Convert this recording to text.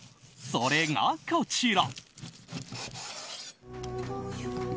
それが、こちら。